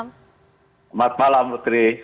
selamat malam menteri